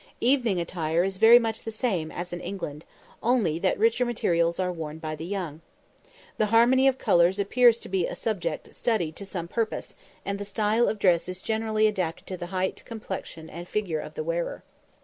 Evening attire is very much the same as in England, only that richer materials are worn by the young. The harmony of colours appears to be a subject studied to some purpose, and the style of dress is generally adapted to the height, complexion, and figure of the wearer.